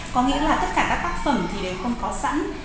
có nghĩa là tất cả các tác phẩm thì đều không có sẵn